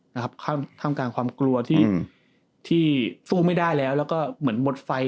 ถ้ำท่ามกลางความกลัวที่ที่สู้ไม่ได้แล้วแล้วก็เหมือนหมดไฟ